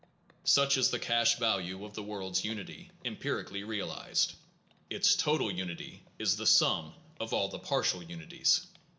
Such is the cash value of the world s unity, empirically realized. Its total unity is the sum of all the partial unities.